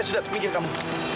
eh sudah minta kamu